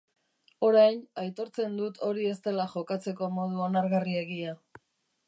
Orain, aitortzen dut hori ez dela jokatzeko modu onargarriegia.